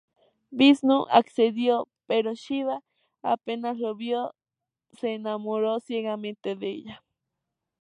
Vishnú accedió, pero Shivá apenas la vio se enamoró ciegamente de ella.